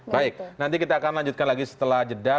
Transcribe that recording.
baik nanti kita akan lanjutkan lagi setelah jeda